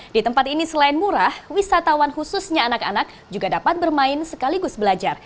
di tempat ini selain murah wisatawan khususnya anak anak juga dapat bermain sekaligus belajar